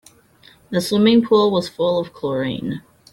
The swimming pool was full of chlorine.